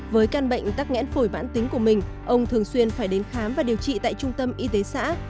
với căn bệnh tắc nghẽn phổi bản tính của mình ông thường xuyên phải đến khám và điều trị tại trung tâm y tế xã